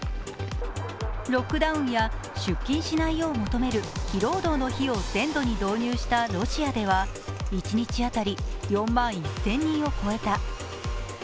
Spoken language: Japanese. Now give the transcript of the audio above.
ロックダウンや出勤しないよう求める非労働の日を全土に定めたロシアでは一日当たり４万１０００人を超えた。